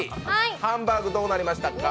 ハンバーグどうなりましたか？